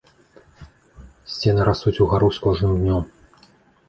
Сцены растуць угару з кожным днём.